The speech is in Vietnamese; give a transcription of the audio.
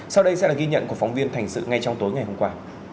sau đây sẽ là ghi nhận của phóng viên thành sự ngay trong tối ngày hôm qua